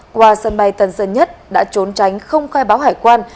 qua sân bay tân sơn nhất đã trốn tránh không khai báo hải quan